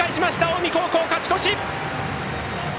近江高校、勝ち越し！